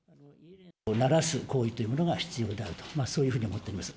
ならす行為というものが必要であると、そういうふうに思ってるんです。